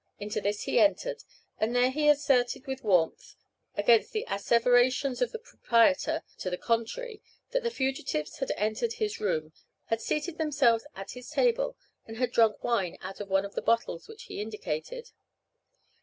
Into this he entered, and there he asserted with warmth, against the asseverations of the proprietor to the contrary, that the fugitives had entered his room, had seated themselves at his table, and had drunk wine out of one of the bottles which he indicated.